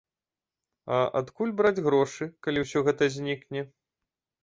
А адкуль браць грошы, калі ўсё гэта знікне?